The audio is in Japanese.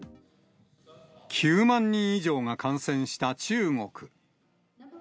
９万人以上が感染した中国。